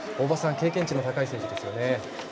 経験値の高い選手ですよね。